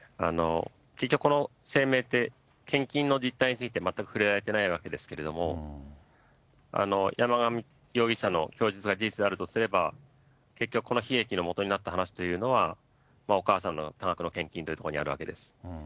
結局、この声明って、献金の実態について、全く触れられていないわけですけれども、山上容疑者の供述が事実であるとすれば、結局、この悲劇のもととなった話というのは、お母さんの多額の献金というところにあるわけです。